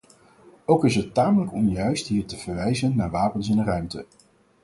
Ook is het tamelijk onjuist hier te verwijzen naar wapens in de ruimte.